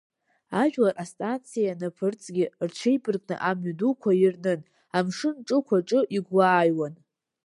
Ажәлар астанциа ианаԥырҵгьы рҽеибаркны амҩа дуқәа ирнын, амшын ҿықә аҿы игәлааиуан.